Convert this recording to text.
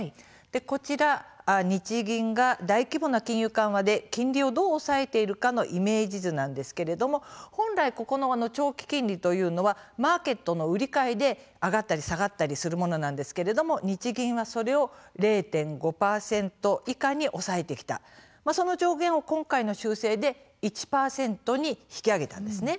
こちら日銀が大規模な金融緩和で金利をどう抑えているかのイメージ図なんですが本来、長期金利というのはマーケットの売り買いで上がったり下がったりするものなんですが日銀は、それを０．５％以下に抑えてきたその上限を今回の修正で１％に引き上げたんです。